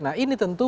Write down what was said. nah ini tentu butuh